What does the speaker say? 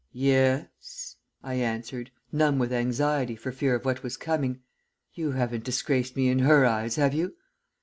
"'Yes,' I answered, numb with anxiety for fear of what was coming. 'You haven't disgraced me in her eyes, have you?'